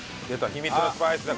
秘密のスパイスだ！